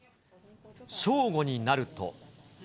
正午になると。